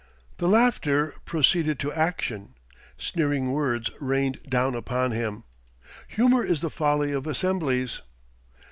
The laughter proceeded to action. Sneering words rained down upon him. Humour is the folly of assemblies.